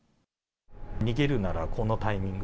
逃げるならこのタイミング。